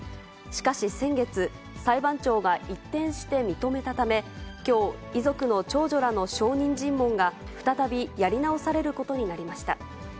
しかし先月、裁判長が一転して認めたため、きょう、遺族の長女らの証人尋問が、再びやり直されることになりました。